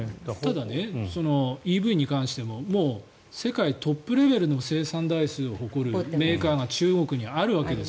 ただ、ＥＶに関しても世界トップレベルの生産台数を誇るメーカーが中国にあるわけです。